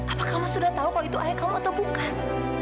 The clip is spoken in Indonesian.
apa kamu sudah tahu kalau itu ayah kamu atau bukan